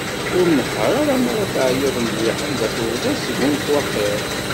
Ur nehher ara mi ara teɛyuḍ mliḥ, anda tewḍeḍ, sgunfu axir.